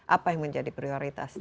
apa yang menjadi prioritas